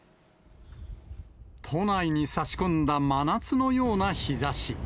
都内にさし込んだ真夏のような日ざし。